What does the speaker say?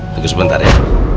tunggu sebentar ya